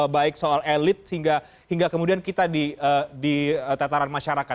baik soal elit sehingga kemudian kita di tataran masyarakat